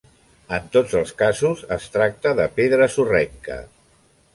En tots els casos es tracta de pedra sorrenca.